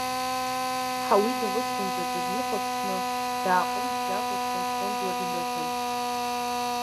Ҳауида лыҷкәын заҵәы дихәаԥшны, дааҟәымҵӡакәа дҟәындҟәындуа дныҳәон.